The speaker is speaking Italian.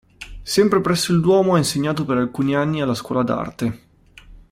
Sempre presso il Duomo ha insegnato per alcuni anni alla Scuola d'Arte.